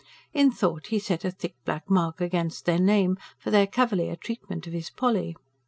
In thought he set a thick black mark against their name, for their cavalier treatment of his Polly.